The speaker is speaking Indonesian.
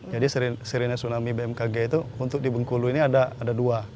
sirine tsunami bmkg itu untuk di bengkulu ini ada dua